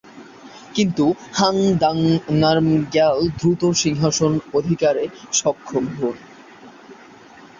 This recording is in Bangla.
কিন্তু ঙ্গাগ-দ্বাং-র্নাম-র্গ্যাল দ্রুত সিংহাসন অধিকারে সক্ষম হন।